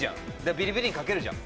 ビリビリにかけるじゃん。